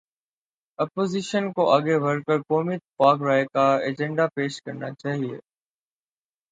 Opposition کو آگے بڑھ کر قومی اتفاق رائے کا ایجنڈا پیش کرنا چاہیے۔